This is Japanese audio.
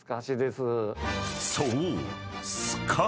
［そう］